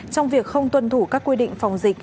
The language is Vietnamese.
trong việc không tuân thủ các quy định phòng dịch